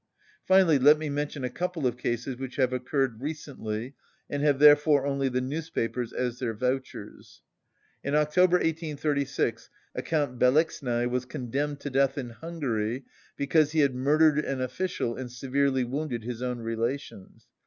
Finally, let me mention a couple of cases which have occurred recently, and have therefore only the newspapers as their vouchers. In October 1836 a Count Belecznai was condemned to death in Hungary because he had murdered an official and severely wounded his own relations.